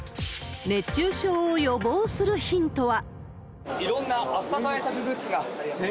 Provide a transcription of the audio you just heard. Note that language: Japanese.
熱中症を予防するヒントは。